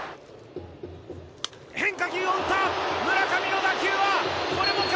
変化球を打った村上の打球はこれもか？